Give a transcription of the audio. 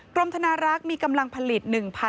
ธนารักษ์มีกำลังผลิต